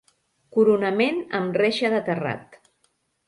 Coronament amb reixa de terrat.